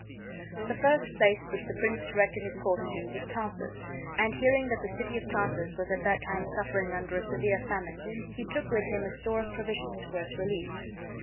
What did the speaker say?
The first place which the prince directed his course to was Tarsus, and hearing that the city of Tarsus was at that time suffering under a severe famine, he took with him a store of provisions for its relief.